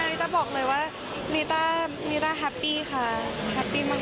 ริต้าบอกเลยว่าริต้าริต้าฮัปปี้ค่ะฮัปปี้มาก